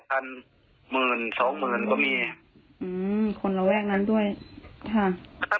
ถ้าเป็นเงินสดที่เขามาให้มันก็ไม่ต่ำกว่า๕แสน